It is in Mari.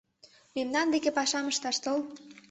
Мемнан деке пашам ышташ тол.